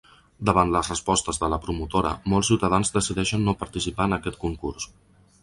Davant les respostes de la promotora molts ciutadans decideixen no participar en aquest concurs.